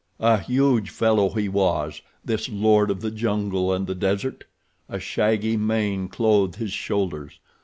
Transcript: A huge fellow he was, this lord of the jungle and the desert. A shaggy mane clothed his shoulders.